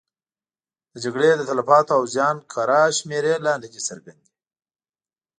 د جګړې د تلفاتو او زیان کره شمېرې لا نه دي څرګندې.